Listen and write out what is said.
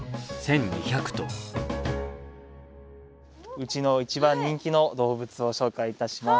うちの一番人気の動物を紹介いたします。